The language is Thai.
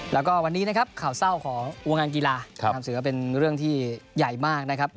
แล้วก็วันนี้นะครับข่าวเศร้าของวงการกีฬานำเสือเป็นเรื่องที่ใหญ่มากนะครับ